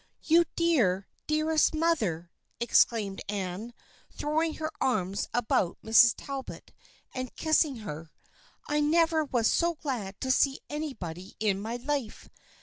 " You dear, dearest mother !" exclaimed Anne, throwing her arms about Mrs. Talbot and kissing her. " I never was so glad to see any body in my life.